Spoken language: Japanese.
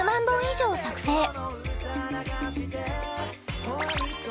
本以上作成